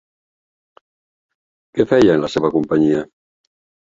Què feia en la seva companyia?